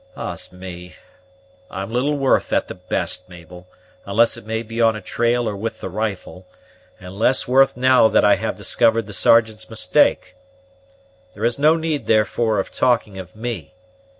"Ah's me! I'm little worth at the best, Mabel, unless it may be on a trail or with the rifle; and less worth now that I have discovered the Sergeant's mistake. There is no need, therefore, of talking of me.